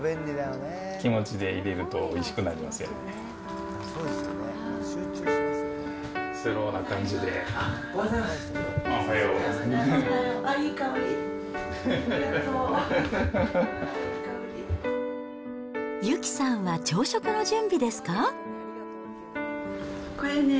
気持ちでいれるとおいしくなるんですよね。